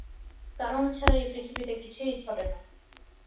কারণ ছাড়া এই পৃথিবীতে কিছুই ঘটে না।